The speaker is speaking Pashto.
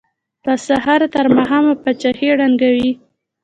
له سهاره تر ماښامه پاچاهۍ ړنګوي.